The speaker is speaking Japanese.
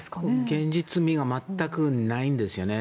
現実味が全くないんですよね。